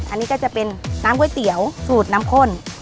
อันนี้ก็จะเป็นน้ำก๋วยเตี๋ยวสูตรน้ำข้น